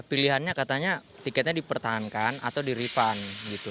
pilihannya katanya tiketnya dipertahankan atau di refund